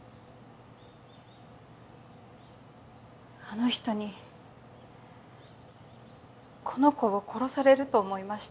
あの人にこの子を殺されると思いました。